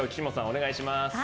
お願いします。